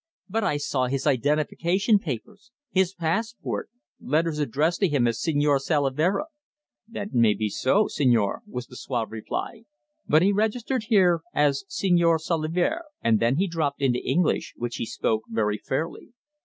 "But I saw his identification papers his passport letters addressed to him as Señor Salavera!" "That may be so, señor," was the suave reply. "But he registered here as Señor Solier." And then he dropped into English, which he spoke very fairly.